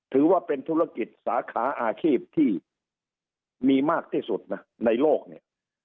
ถือว่าเป็นธุรกิจสาขาอาชีพที่มีมากที่สุดนะในโลกเนี่ย